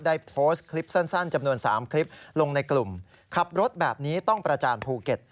ได้โพสต์คลิปสั้นจำนวน๓คลิปลงในกลุ่มขับรถแบบนี้ต้องประจานภูเก็ต